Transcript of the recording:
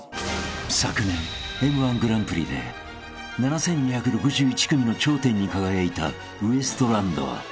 ［昨年Ｍ−１グランプリで７，２６１組の頂点に輝いたウエストランド］